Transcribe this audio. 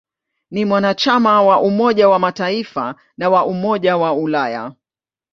Ni mwanachama wa Umoja wa Mataifa na wa Umoja wa Ulaya.